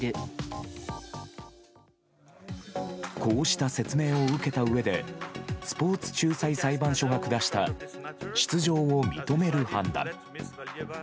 こうした説明を受けたうえでスポーツ仲裁裁判所が下した出場を認める判断。